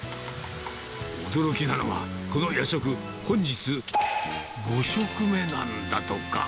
驚きなのはこの夜食、本日５食目なんだとか。